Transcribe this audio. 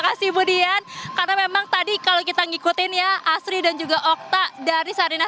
kasih budian karena memang tadi kalau kita ngikutin ya asri dan juga okta dari sarina